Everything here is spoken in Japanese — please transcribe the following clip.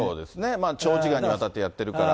まあ長時間にわたってやってるから。